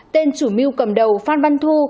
tên chủ mưu cầm đầu phan phan thu